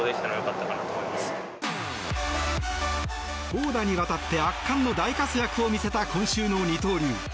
投打にわたって圧巻の大活躍を見せた、今週の二刀流。